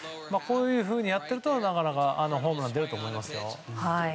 こういうふうにやってるとホームランが出ると思いますよ。